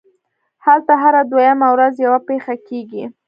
هلته هره دویمه ورځ یوه پېښه کېږي